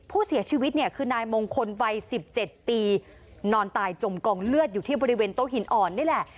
ผู้เสียชีวิตเนี่ยคือนายมงคลวัย๑๗ปีนอนตายจมกองเลือดอยู่ที่บริเวณโต๊ะหินอ่อนนี่แหละ